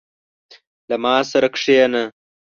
• له ما سره کښېنه.